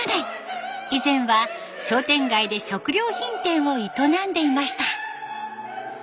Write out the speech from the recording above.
以前は商店街で食料品店を営んでいました。